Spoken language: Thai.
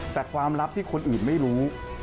แต่ความลับที่คนอื่นไม่รู้